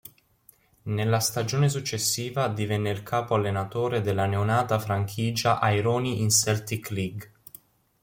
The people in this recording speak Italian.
Nella stagione successiva divenne il capo allenatore della neonata franchigia Aironi in Celtic League.